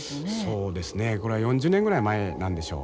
そうですねこれは４０年ぐらい前なんでしょう。